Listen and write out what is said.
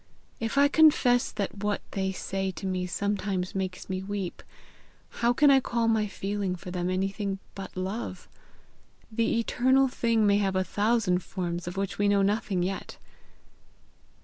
If I confess that what they say to me sometimes makes me weep, how can I call my feeling for them anything but love? The eternal thing may have a thousand forms of which we know nothing yet!"